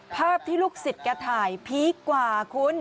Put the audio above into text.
ภาพที่ลูกศิษย์แกถ่ายพีคกว่าคุณ